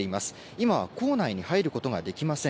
今は構内に入ることができません。